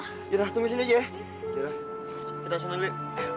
gira tunggu disini aja ya gira kita langsung dulu